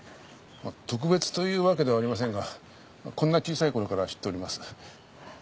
まあ特別というわけではありませんがこんな小さいころから知っております。